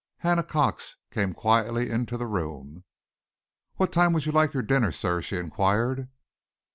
Hannah Cox came quietly into the room. "What time would you like your dinner, sir?" she enquired.